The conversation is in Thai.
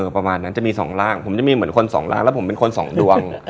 ประมาณนั้นจะมีสองร่างผมจะมีเหมือนคนสองร่างแล้วผมเป็นคนสองดวง